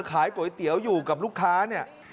ขายก๋วยเตี๋ยวอยู่กับลูกค้าเนี่ย